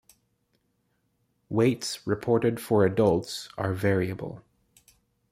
Weights reported for adults are variable.